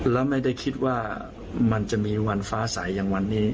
แล้วไม่ได้คิดว่ามันจะมีวันฟ้าใสอย่างวันนี้